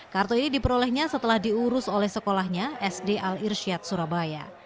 kartu ini diperolehnya setelah diurus oleh sekolahnya sd al irsyad surabaya